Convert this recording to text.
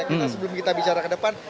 kita sebelum kita bicara ke depan